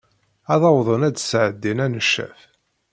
Ad ɛawden ad d-sɛeddin aneccaf.